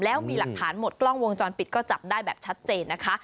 แล้วมีหลักฐานหมดกล้องวงจรปิดก็จับได้แบบชัดเจนนะคะ